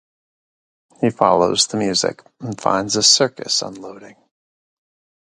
He follows the music and finds a circus unloading.